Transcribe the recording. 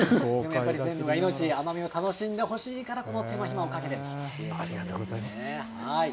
鮮度が命、甘みを楽しんでほしいから、手間暇をかけているということなんですね。